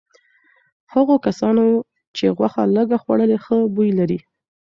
هغو کسانو چې غوښه لږه خوړلي ښه بوی لري.